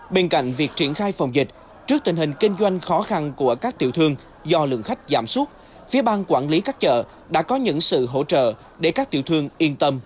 bên cạnh việc triển khai phòng dịch trước tình hình kinh doanh khó khăn của các tiểu thương do lượng khách giảm suốt phía bang quản lý các chợ đã có những sự hỗ trợ để các tiểu thương yên tâm